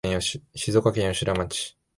静岡県吉田町